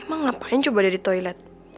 emang ngapain coba ada di toilet